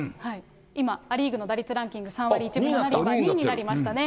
今、ア・リーグの打率ランキング３割１分７厘は、２位になりましたね。